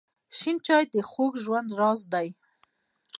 شین چای د خوږ ژوند راز دی.